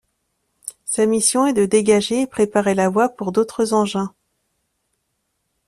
Sa mission est de dégager et préparer la voie pour d'autre engins.